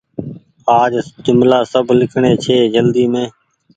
آج جملآ سب لکڻي ڇي جلدي مين ۔